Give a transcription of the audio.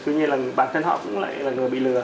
tuy nhiên là bản thân họ cũng lại là vừa bị lừa